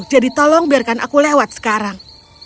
jadi tolong biarkan aku lewat sekarang